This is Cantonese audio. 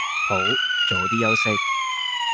好，早啲休息